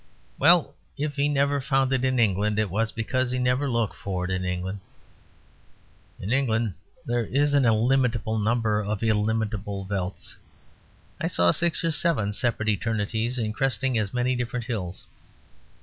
Well, if he never found it in England it was because he never looked for it in England. In England there is an illimitable number of illimitable veldts. I saw six or seven separate eternities in cresting as many different hills.